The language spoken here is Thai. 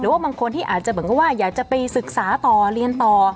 หรือว่าบางคนที่อาจจะอยากจะไปศึกษาต่อเรียนต่อ